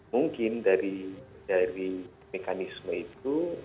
mungkin dari mekanisme itu